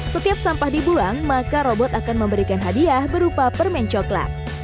setiap sampah dibuang maka robot akan memberikan hadiah berupa permen coklat